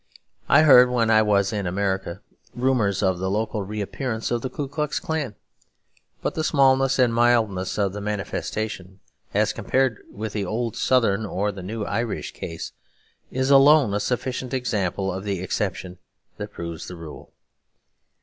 I heard when I was in America rumours of the local reappearance of the Ku Klux Klan; but the smallness and mildness of the manifestation, as compared with the old Southern or the new Irish case, is alone a sufficient example of the exception that proves the rule.